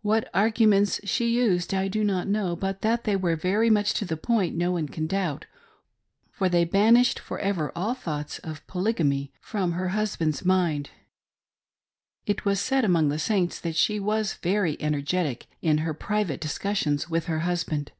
What arguments she used I do not know ; but that they were very much to the point no one can doubt, for they ban ished for ever all thoughts of Polygamy from her husband's A LITTLE ISHMAEL. I55 mind. It was said among the Saints that she was very ener getic in her private discussions with her husband.